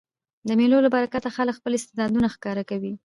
د مېلو له برکته خلک خپل استعدادونه ښکاره کوي.